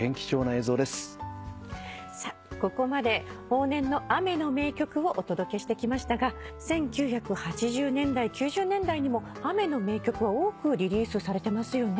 さあここまで往年の雨の名曲をお届けしてきましたが１９８０年代９０年代にも雨の名曲は多くリリースされてますよね。